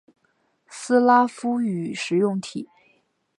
斯拉夫语使用体。